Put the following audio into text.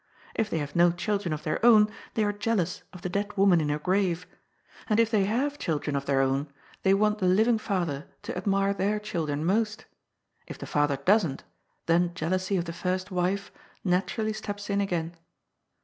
If they have no children of their own, they are jealous of the dead woman in her grave, and if they have children of their own, they want the living father to admire their children most. If the father doesn't, then jealousy of the first wife naturally steps in again.